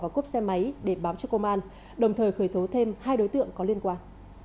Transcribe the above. và cốp xe máy để báo cho công an đồng thời khởi tố thêm hai đối tượng có liên quan